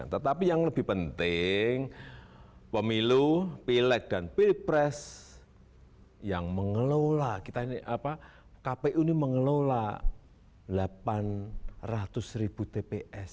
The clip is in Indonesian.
tetapi yang lebih penting pemilu pilek dan pilpres yang mengelola kpu ini mengelola delapan ratus ribu tps